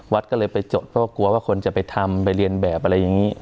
วัดก็เลยไปจดเพราะว่ากลัวว่าคนจะไปทำไปเรียนแบบอะไรอย่างนี้